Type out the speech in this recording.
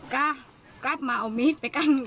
ก็กลับมาเอามีดไปกั้น